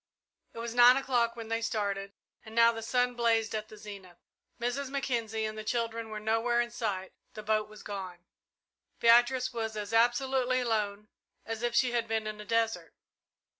It was nine o'clock when they started, and now the sun blazed at the zenith. Mrs. Mackenzie and the children were nowhere in sight the boat was gone. Beatrice was as absolutely alone as if she had been in a desert.